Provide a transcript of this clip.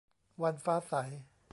วันฟ้าใส